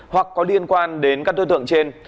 hoặc có liên quan đến các đối tượng trên